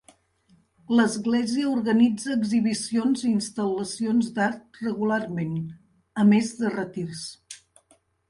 L'església organitza exhibicions i instal·lacions d'art regularment, a més de retirs.